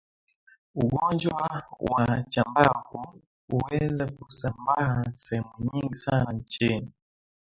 Ugonjwa wa chambavu unaweza kusambaa sehemu nyingi sana nchini